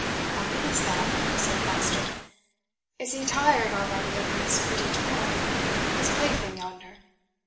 "How meanest thou?" said Foster. "Is he tired already of his pretty toy his plaything yonder?